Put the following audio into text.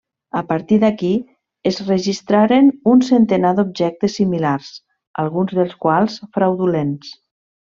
A partir d'aquí es registraren un centenar d'objectes similars, alguns dels quals fraudulents.